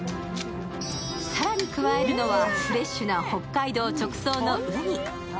更に加えるのはフレッシュな北海道直送のうに。